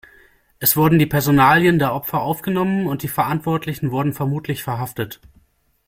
Es wurden die Personalien der Opfer aufgenommen, und die Verantwortlichen wurden vermutlich verhaftet.